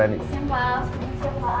selamat siang pak